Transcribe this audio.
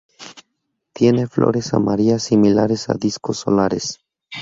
Tiene flores amarillas similares a discos solares.